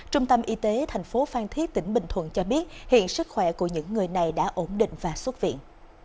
trung tâm y tế thành phố phan thiết tỉnh bình thuận cho biết hiện sức khỏe của những người này đã ổn định và xuất viện